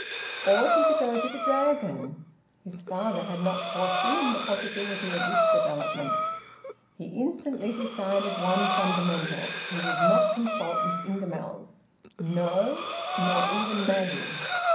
Ought he to go to the Dragon? His father had not foreseen the possibility of this development. He instantly decided one fundamental: he would not consult Miss Ingamells; no, nor even Maggie!